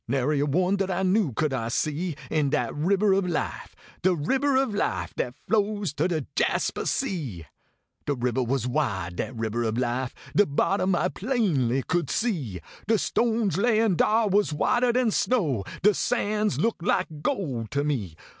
Nary a one dat I knew could I see In dat ribber ob life. De ribber ob life Dat flows to de Jaspah Sea. De ribber was wide, dat ribber ob life. De bottom I plainly could see. De stones layin dar was whiter dan snow. De sands looked like gold to me.